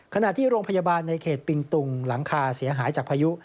ขณะที่โรงพยาบาลในเขตปิงตุงหลังคาเสียหายจากพายุ